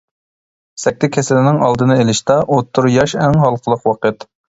سەكتە كېسىلىنىڭ ئالدىنى ئېلىشتا ئوتتۇرا ياش ئەڭ ھالقىلىق ۋاقىت.